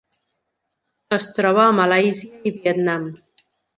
Es troba a Malàisia i Vietnam.